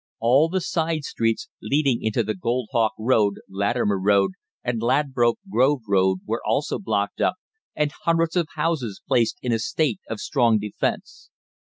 All the side streets leading into the Goldhawk Road, Latimer Road, and Ladbroke Grove Road were also blocked up, and hundreds of houses placed in a state of strong defence.